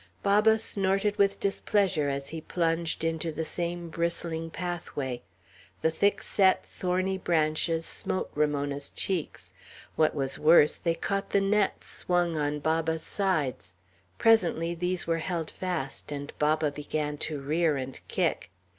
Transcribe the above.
Baba snorted with displeasure as he plunged into the same bristling pathway. The thick set, thorny branches smote Ramona's cheeks. What was worse, they caught the nets swung on Baba's sides; presently these were held fast, and Baba began to rear and kick.